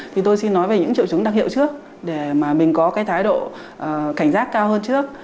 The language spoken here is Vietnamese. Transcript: thì tôi xin nói về những triệu chứng đặc hiệu trước để mà mình có cái thái độ cảnh giác cao hơn trước